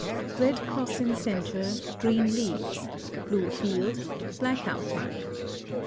Red cross in centre, green leaves: blue field, black outline.